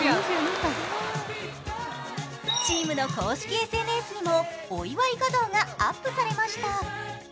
チームの公式ＳＮＳにもお祝い画像がアップされました。